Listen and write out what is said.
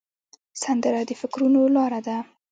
سندره د فکرونو لاره ده